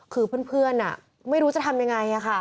คือเพื่อนไม่รู้จะทำยังไง